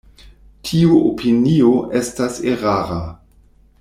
Tiu opinio estas erara.